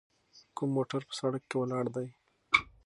کوم موټر په سړک کې ولاړ دی؟